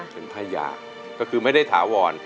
เป็นพญาก็คือไม่ได้ถาวร